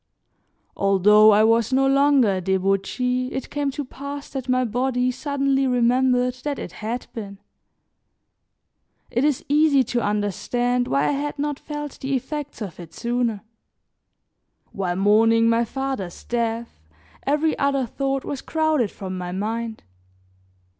Although I was no longer a debauchee it came to pass that my body suddenly remembered that it had been. It is easy to understand why I had not felt the effects of it sooner. While mourning my father's death, every other thought was crowded from my mind.